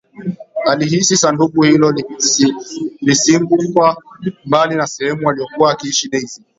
Alihisi sanduku hilo lisingkuwa mbali na sehemu aliyokuwa akiishi Daisy